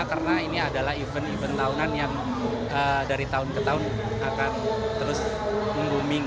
karena ini adalah event event tahunan yang dari tahun ke tahun akan terus mengguming